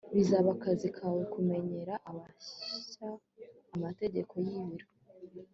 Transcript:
bizaba akazi kawe kumenyera abashya amategeko y'ibiro